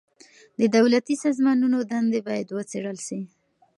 د دولتي سازمانونو دندي بايد وڅېړل سي.